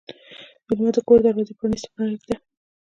مېلمه ته د کور دروازه پرانستې پرېږده.